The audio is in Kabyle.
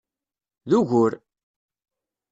D ugur!